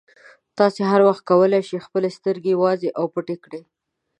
تاسې هر وخت کولای شئ خپلې سترګې وازې او پټې کړئ.